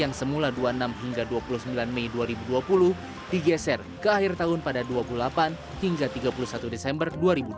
yang semula dua puluh enam hingga dua puluh sembilan mei dua ribu dua puluh digeser ke akhir tahun pada dua puluh delapan hingga tiga puluh satu desember dua ribu dua puluh